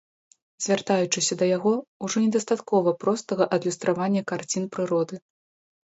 Звяртаючыся да яго, ужо недастаткова простага адлюстравання карцін прыроды.